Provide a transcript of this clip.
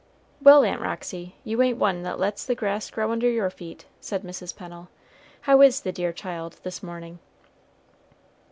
"Well, Aunt Roxy, you ain't one that lets the grass grow under your feet," said Mrs. Pennel. "How is the dear child, this morning?"